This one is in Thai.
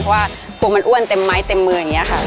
เพราะว่าพวงมันอ้วนเต็มไม้เต็มเมืองี้อะค่ะ